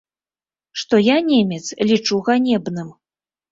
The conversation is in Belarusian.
Што я, немец, лічу ганебным.